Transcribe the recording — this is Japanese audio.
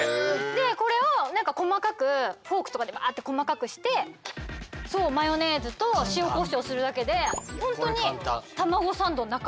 でこれを何か細かくフォークとかでバーッて細かくしてそうマヨネーズと塩こしょうするだけで本当にたまごサンドの中身。